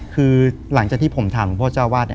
คือหลังจากที่ผมถามหลวงพ่อเจ้าวาด